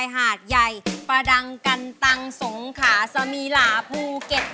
หาดใหญ่ประดังกันตังสงขาสมีหลาภูเก็ต